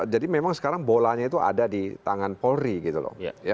jadi memang sekarang bolanya itu ada di tangan polri gitu loh